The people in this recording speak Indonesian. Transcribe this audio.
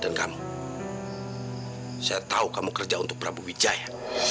dan kamu saya tahu kamu kerja untuk prabu wijaya